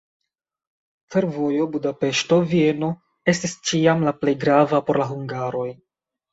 Fervojo Budapeŝto-Vieno estis ĉiam la plej grava por la hungaroj.